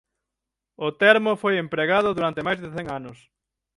O termo foi empregado durante máis de cen anos.